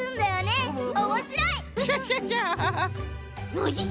ノジ？